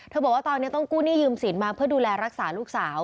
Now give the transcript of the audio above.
บอกว่าตอนนี้ต้องกู้หนี้ยืมสินมาเพื่อดูแลรักษาลูกสาว